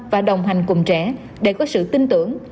và đồng hành cùng trẻ để có sự tin tưởng